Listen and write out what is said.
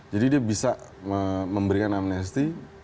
jadi dia bisa memberikan amnesti